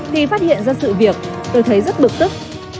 thì phát hiện ra sự việc tôi thấy rất bực tức